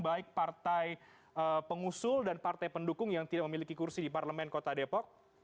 baik partai pengusul dan partai pendukung yang tidak memiliki kursi di parlemen kota depok